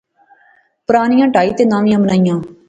پرانیاں ٹہائی تے نویاں بنایاں